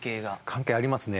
関係ありますね。